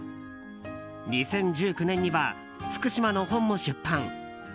２０１９年には福島の本も出版。